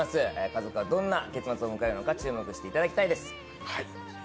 家族がどんな結末を迎えるのか注目していただきたいです。